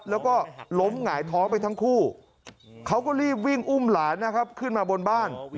แล้วก็ล้มหงายท้องไปทั้งคู่เขาก็รีบวิ่งอุ้มหลานขึ้นมาบนบ้าน